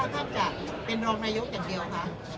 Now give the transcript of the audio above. ยัง